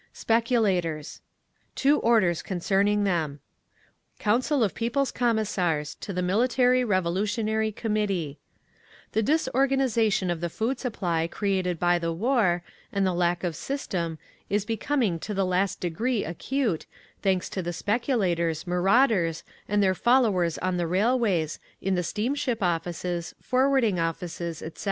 SPECULATORS Two orders concerning them: Council of People's Commissars To the Military Revolutionary Committee The disorganisation of the food supply created by the war, and the lack of system, is becoming to the last degree acute, thanks to the speculators, marauders and their followers on the railways, in the steamship offices, forwarding offices, etc.